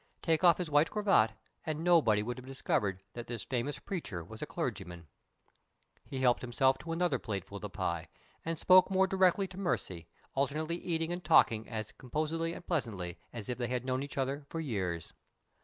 Take off his white cravat, and nobody would have discovered that this famous preacher was a clergyman! He helped himself to another plateful of the pie, and spoke more directly to Mercy, alternately eating and talking as composedly and pleasantly as if they had known each other for years.